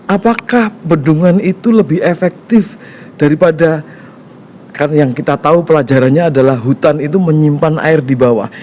apakah bendungan itu lebih efektif daripada kan yang kita tahu pelajarannya adalah hutan itu menyimpan air di bawah